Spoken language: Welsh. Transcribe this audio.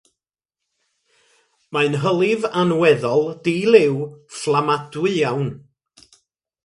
Mae'n hylif anweddol di-liw, fflamadwy iawn.